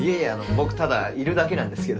僕ただいるだけなんですけど。